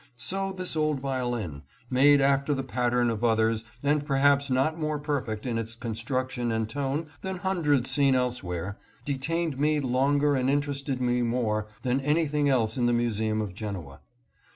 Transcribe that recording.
So this old violin, made after the pattern of others and perhaps not more perfect in its construction and tone than hundreds seen else where, detained me longer and interested me more than anything else in the Museum of Genoa.